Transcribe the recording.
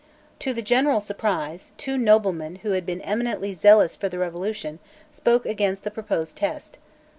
To the general surprise, two noblemen who had been eminently zealous for the Revolution spoke against the proposed test.